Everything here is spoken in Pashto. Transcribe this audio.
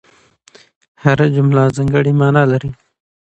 هره جمله ځانګړې مانا لري.